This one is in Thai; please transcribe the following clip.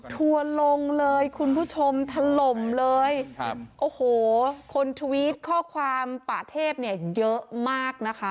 ทัวร์ลงเลยคุณผู้ชมถล่มเลยครับโอ้โหคนทวิตข้อความป่าเทพเนี่ยเยอะมากนะคะ